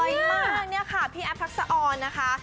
สวยมากนี้ค่ะพี่แอ๊บพรักษออนนะคะ